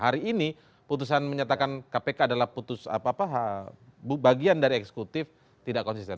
hari ini putusan menyatakan kpk adalah putus bagian dari eksekutif tidak konsisten